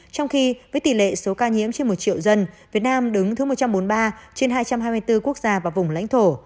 trong khi với tỷ lệ số ca nhiễm trên một triệu dân việt nam đứng thứ một trăm bốn mươi ba trên hai trăm hai mươi bốn quốc gia và vùng lãnh thổ